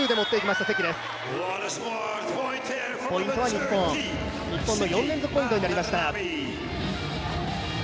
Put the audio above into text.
日本の４連続ポイントになりました。